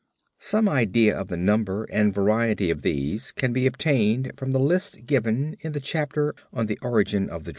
Some idea of the number and variety of these can be obtained from the list given in the chapter on the Origin of the Drama.